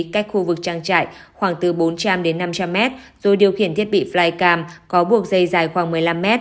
cách khu vực trang trại khoảng từ bốn trăm linh đến năm trăm linh mét rồi điều khiển thiết bị flycam có buộc dây dài khoảng một mươi năm m